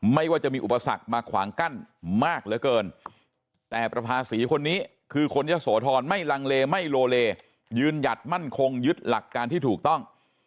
ว่าจะมีอุปสรรคมาขวางกั้นมากเหลือเกินแต่ประภาษีคนนี้คือคนยะโสธรไม่ลังเลไม่โลเลยืนหยัดมั่นคงยึดหลักการที่ถูกต้อง